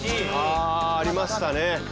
ああありましたね。